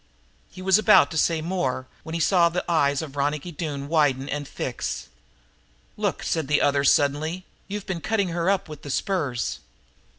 He was about to say more when he saw the eyes of Ronicky Doone widen and fix. "Look," said the other suddenly, "you've been cutting her up with the spurs!"